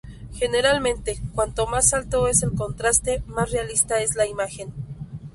Generalmente, cuanto más alto es el contraste más realista es la imagen.